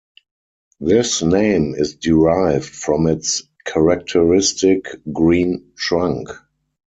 This name is derived from its characteristic green trunk.